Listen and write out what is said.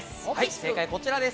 正解はこちらです。